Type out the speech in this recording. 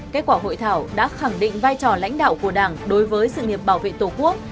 kết quả hội thảo đã khẳng định vai trò lãnh đạo của đảng đối với sự nghiệp bảo vệ tổ quốc